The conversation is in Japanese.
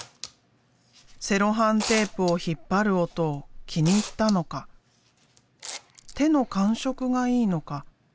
セロハンテープを引っ張る音を気に入ったのか手の感触がいいのか？